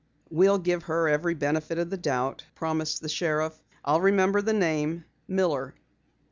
"We'll give her every benefit of the doubt," promised the sheriff. "I'll remember the name. Miller."